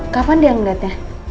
kapan dia ngeliatnya